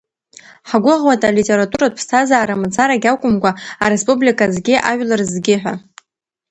Ҳгәыӷуеит, алитературатә ԥсҭазаара мацарагьы акәымкәа, ареспублика азгьы, ажәлар рызгьы ҳәа.